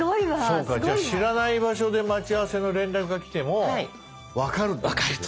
そうかじゃあ知らない場所で待ち合わせの連絡が来ても分かるってこと。